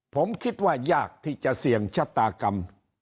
ผมคิดว่ายากที่จะเสี่ยงชะตากรรม